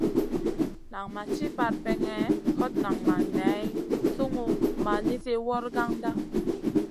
Nan ma ci parpèŋè, hot nan ma ŋay sungun ma nizi wragandana.